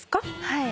はい。